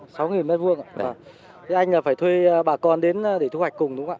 thế anh là phải thuê bà con đến để thu hoạch cùng đúng không ạ